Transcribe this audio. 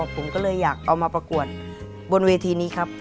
ผมก็เลยอยากเอามาประกวดบนเวทีนี้ครับ